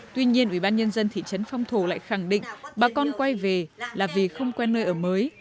tuy nhiên ủy ban nhân dân thị trấn phong thổ lại khẳng định bà con quay về là vì không quen nơi ở mới